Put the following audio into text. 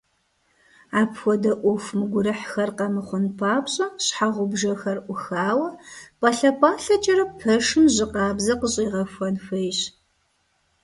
Апхуэдэ Ӏуэху мыгурыхьхэр къэмыхъун папщӀэ, щхьэгъубжэхэр Ӏухауэ, пӀалъэ-пӀалъэкӀэрэ пэшым жьы къабзэ къыщӀегъэхуэн хуейщ.